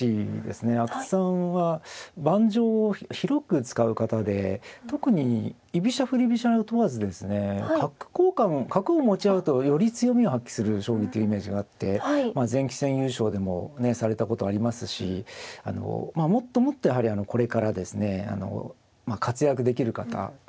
阿久津さんは盤上を広く使う方で特に居飛車振り飛車を問わずですね角交換角を持ち合うとより強みを発揮する将棋というイメージがあって全棋士参加棋戦優勝もされたことありますしもっともっとやはりこれからですね活躍できる方だと思いますね。